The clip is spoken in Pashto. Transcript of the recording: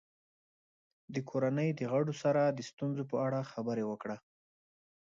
د کورنۍ د غړو سره د ستونزو په اړه خبرې وکړه.